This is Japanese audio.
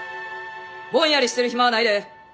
ぼんやりしてる暇はないで！